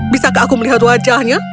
bisakah aku melihat wajahnya